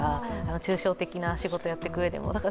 抽象的な仕事をやっていくうえでも。